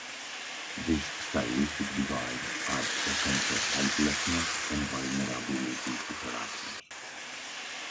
This stylistic device adds a sense of helplessness and vulnerability to her actions.